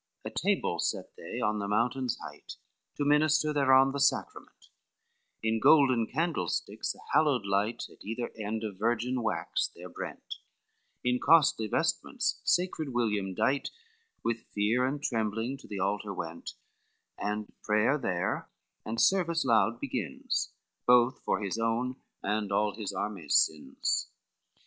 XIV A table set they on the mountain's height To minister thereon the sacrament, In golden candlesticks a hallowed light At either end of virgin wax there brent; In costly vestments sacred William dight, With fear and trembling to the altar went, And prayer there and service loud begins, Both for his own and all the army's sins.